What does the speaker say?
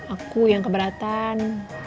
aku yang keberatan